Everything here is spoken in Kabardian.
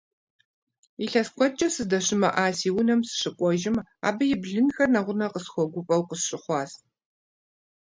Илъэс куэдкӏэ сыздэщымыӏа си унэм сыщыкӀуэжым, абы и блынхэр нэгъунэ къысхуэгуфӀэу къысщыхъуащ.